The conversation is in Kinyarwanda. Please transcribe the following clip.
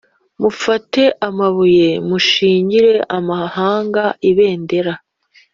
Mufate amabuye mushingire amahanga ibendera